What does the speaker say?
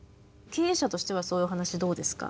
経営者としてはそういうお話どうですか？